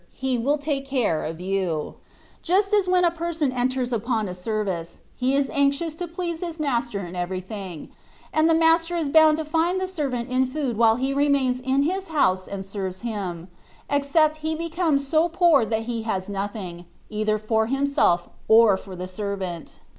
He will take care of youv Just lus when a person enters upon a 172 THE WAY OF PERFECTION. service, he is anxious to please his master in every thing, and the master is bound to find the servant in food while he remains in his house and serves him, except he become so poor that he has nothing, either for himself or for the servant.